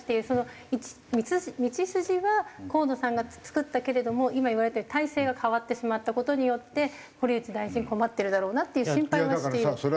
その道筋は河野さんが作ったけれども今言われたように体制が変わってしまった事によって堀内大臣困ってるだろうなっていう心配はしている。